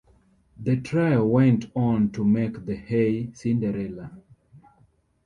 The trio went on to make the Hey, Cinderella!